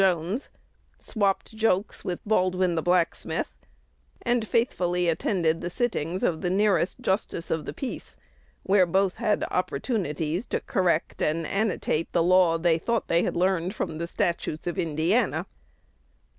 Jones; "swapped jokes" with Baldwin the blacksmith; and faithfully attended the sittings of the nearest justice of the peace, where both had opportunities to correct and annotate the law they thought they had learned from the "Statute of Indiana."